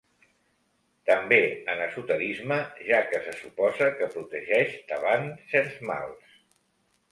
També en esoterisme, ja que se suposa que protegeix davant certs mals.